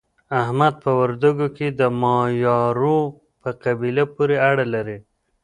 احمد په وردګو کې د مایارو په قبیله پورې اړه لري.